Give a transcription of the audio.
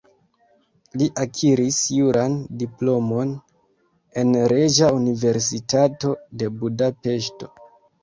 Li akiris juran diplomon en Reĝa Universitato de Budapeŝto.